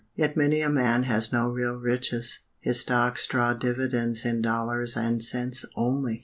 Yet many a man has no real riches; his stocks draw dividends in dollars and cents only.